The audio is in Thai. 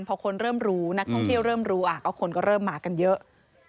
พอคนเริ่มรู้นักท่องเที่ยวเริ่มรู้ก็คนก็เริ่มมากันเยอะ